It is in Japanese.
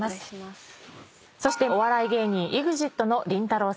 そしてお笑い芸人ＥＸＩＴのりんたろー。